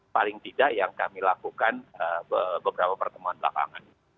paling tidak yang kami lakukan beberapa pertemuan belakangan